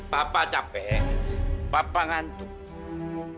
papa capek papa ngantuk